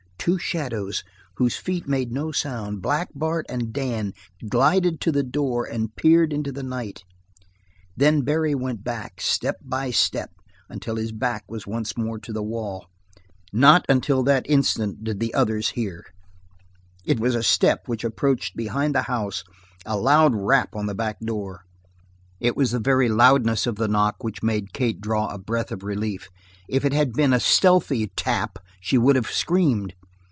Two shadows, whose feet made no sound, Black Bart and Dan glided to the door and peered into the night then Barry went back, step by step, until his back was once more to the wall. Not until that instant did the others hear. It was a step which approached behind the house; a loud rap at the back door. It was the very loudness of the knock which made Kate draw a breath of relief; if it had been a stealthy tap she would have screamed.